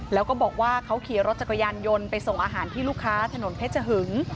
แล้วก็บอกว่าเขาขี่รถจักรยานยนต์ไปส่งอาหารที่ลูกค้าถนนเพชรหึง